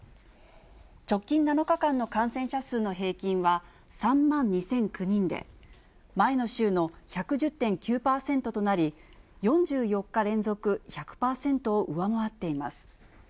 直近７日間の感染者数の平均は、３万２００９人で、前の週の１１０．９％となり、４４日連続１００％を上回っています。